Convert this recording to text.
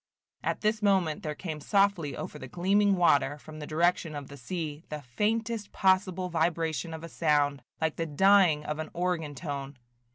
At this moment there came softly over the gleaming water, from the direction of the sea, the faintest possible vibration of a sound, like the dying of an organ tone.